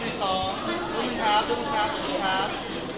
เป็นตัวนี้ครับครับบท